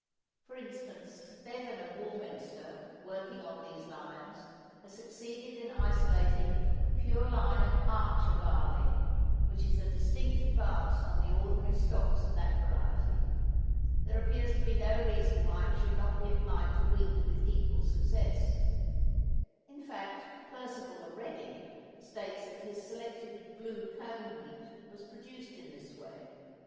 For instance, Beaven of Warminster, working on these lines, has succeeded in isolating a pure line of Archer barley which is a distinct advance on the ordinary stocks of that variety. There appears to be no reason why it should not be applied to wheat with equal success; in fact, Percival of Reading states that his selected Blue Cone wheat was produced in this way.